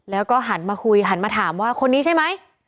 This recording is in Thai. แล้วก็หันมาคุยหันมาถามว่าคนนี้ใช่ไหม